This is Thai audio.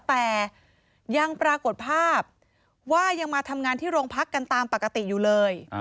แต่ยังปรากฏภาพว่ายังมาทำงานที่โรงพักกันตามปกติอยู่เลย